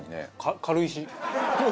軽石？